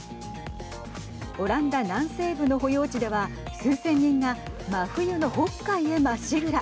オランダ南西部の保養地では数千人が真冬の北海へまっしぐら。